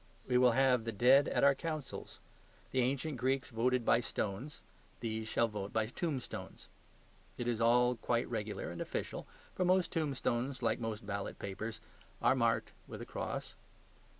We will have the dead at our councils. The ancient Greeks voted by stones; these shall vote by tombstones. It is all quite regular and official, for most tombstones, like most ballot papers, are marked with a cross.